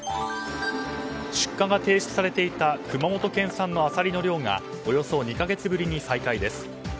出荷が停止されていた熊本県産のアサリの漁がおよそ２か月ぶりに再開です。